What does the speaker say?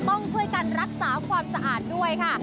ต้องช่วยกันรักษาความสะอาดด้วยค่ะ